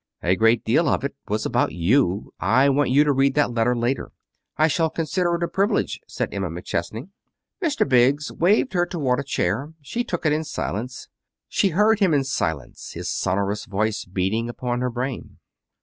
A great deal of it was about you. I want you to read that letter later." "I shall consider it a privilege," said Emma McChesney. Mr. Beggs waved her toward a chair. She took it in silence. She heard him in silence, his sonorous voice beating upon her brain.